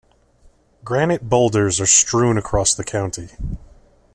Granite boulders are strewn across the county.